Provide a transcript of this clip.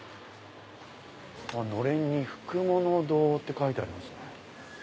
のれんに「ふくもの堂」って書いてありますね。